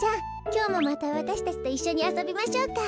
きょうもまたわたしたちといっしょにあそびましょうか。